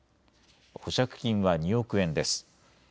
保釈金は２億円です。